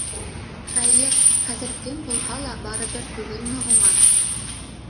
Хәйер, хәҙер кем булһа ла барыбер түгелме уңа?